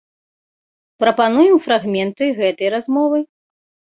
Прапануем фрагменты гэтай размовы.